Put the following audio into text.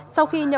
sau khi nhậu